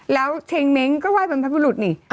แล้วเทงเม้งก็ไห้บรรพบุรุษนี่